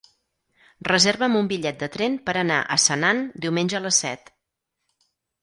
Reserva'm un bitllet de tren per anar a Senan diumenge a les set.